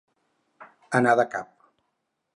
Anar de cap.